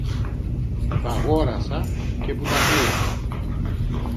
που τ' αγόρασα και που τα πλήρωσα.